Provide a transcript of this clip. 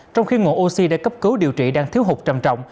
trong khi ngộ oxy để cấp cứu điều trị đang thiếu hụt trầm trọng